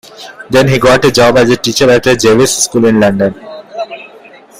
Then he got a job as a teacher at a Jewish school in London.